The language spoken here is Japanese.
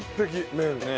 麺。